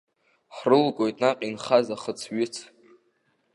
Ҳрылгоит наҟ инхаз ахыцҩыц!